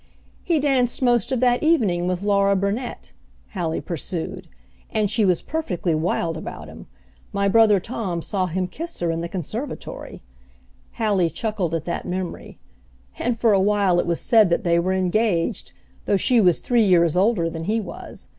"He danced most of that evening with Laura Burnet," Hallie pursued, "and she was perfectly wild about him. My brother Tom saw him kiss her in the conservatory," Hallie chuckled at that memory, "and for a while it was said that they were engaged, though she was three years older than he was.